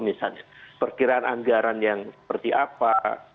misalnya perkiraan anggaran yang seperti apa